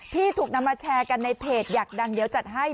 ที่ถูกนำมาแชร์กันในเพจอยากดังเดี๋ยวจัดให้